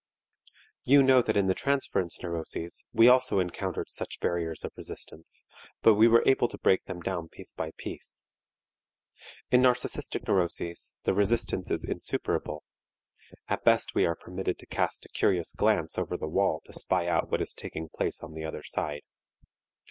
You know that in the transference neuroses we also encountered such barriers of resistance, but we were able to break them down piece by piece. In narcistic neuroses the resistance is insuperable; at best we are permitted to cast a curious glance over the wall to spy out what is taking place on the other side.